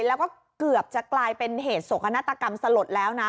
แล้วก็เกือบจะกลายเป็นเหตุโศกนาฏกรรมสลดแล้วนะ